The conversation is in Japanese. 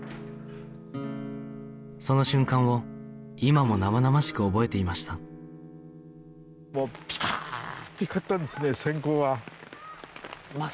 その瞬間を今も生々しく覚えていましたはあ。